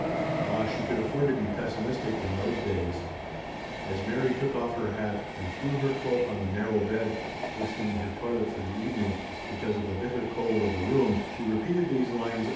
Ah, she could afford to be pessimistic in those days ! As Mary took off her hat and threw her cloak on the narrow bed, hastening her toilet for the evening because of the bitter cold of the room, she repeated these lines V } 110 THE STORY OF A MODERN WOMAN.